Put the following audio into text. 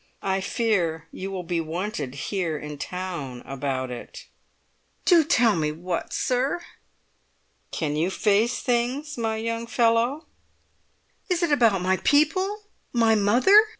I fear you will be wanted here in town about it." "Do tell me what, sir!" "Can you face things, my young fellow?" "Is it about my people—my mother?"